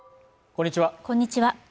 こんにちは